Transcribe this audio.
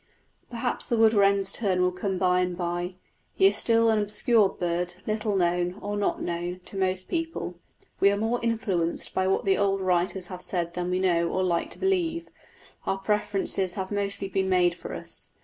Perhaps the wood wren's turn will come by and by. He is still an obscure bird, little known, or not known, to most people: we are more influenced by what the old writers have said than we know or like to believe; our preferences have mostly been made for us.